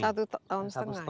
satu tahun setengah ya